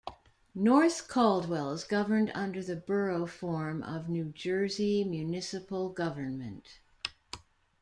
North Caldwell is governed under the Borough form of New Jersey municipal government.